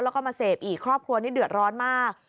แล้วก็มาเสพอีกครอบครัวนี้เดือดร้อนมาก